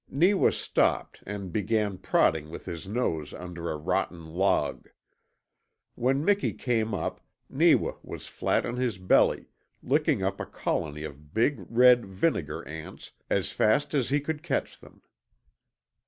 Neewa stopped and began prodding with his nose under a rotten log. When Miki came up Neewa was flat on his belly, licking up a colony of big red vinegar ants as fast as he could catch them.